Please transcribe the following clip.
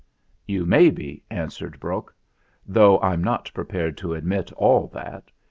"You may be," answered Brok, "though I'm not prepared to admit all that.